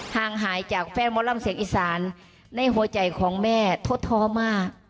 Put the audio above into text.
ห่างหายจากแฟนหมอลำเสียงอีสานในหัวใจของแม่ทดท้อมาก